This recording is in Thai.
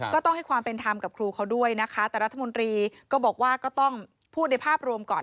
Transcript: ก็ต้องให้ความเป็นธรรมกับครูเขาด้วยนะคะแต่รัฐมนตรีก็บอกว่าก็ต้องพูดในภาพรวมก่อน